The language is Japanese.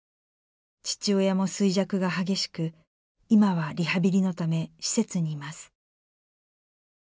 父親も衰弱が激しく今はリハビリのため施設にいます。